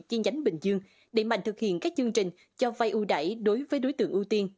chi nhánh bình dương để mạnh thực hiện các chương trình cho vay ưu đải đối với đối tượng ưu tiên